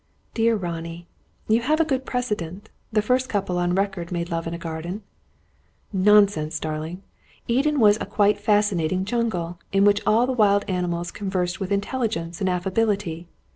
"Dear Ronnie, you have a good precedent. The first couple on record made love in a garden." "Nonsense, darling! Eden was a quite fascinating jungle, in which all the wild animals conversed with intelligence and affability.